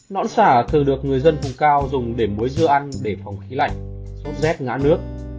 nón xả thường được người dân vùng cao dùng để muối dưa ăn để phòng khí lạnh sốt rét ngã nước